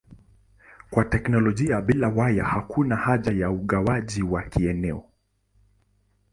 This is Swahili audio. Kwa teknolojia bila waya hakuna haja ya ugawaji wa kieneo.